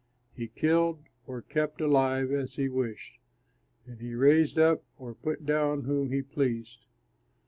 He killed or kept alive as he wished; and he raised up or put down whom he pleased.